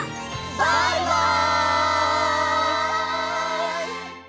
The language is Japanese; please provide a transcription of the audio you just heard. バイバイ！